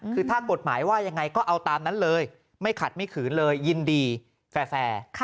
คือถ้ากฎหมายว่ายังไงก็เอาตามนั้นเลยไม่ขัดไม่ขืนเลยยินดีแฟร์